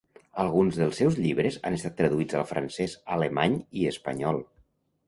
Alguns dels seus llibres han estat traduïts al francès, alemany i espanyol.